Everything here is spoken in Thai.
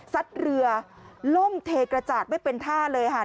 เรือล่มเทกระจาดไม่เป็นท่าเลยค่ะ